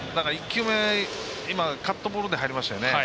１球目、今カットボールで入りましたよね。